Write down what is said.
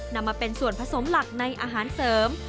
นำมาเป็นส่วนผสมหลักในอาหารเสริม